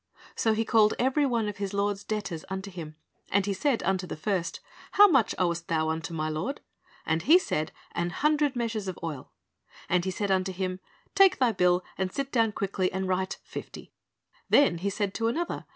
So he called every one of his lord's debtors unto him, and said unto the first, How much owest thou unto my lord? And he said. An hundred measures of oil. And he said unto him, Take thy bill, and sit down quickly, and write fifty. Then, said he to another.